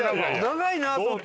長いなと思って。